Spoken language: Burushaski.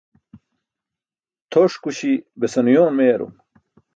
Tʰoṣkuśi besan uyoon meyarum.